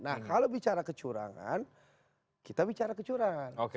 nah kalau bicara kecurangan kita bicara kecurangan